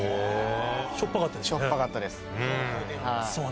しょっぱかったですよね。